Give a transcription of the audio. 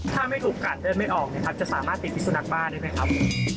ถ้าไม่ถูกกัดเดินไม่ออกนะครับจะสามารถติดพิสุนักบ้าได้ไหมครับ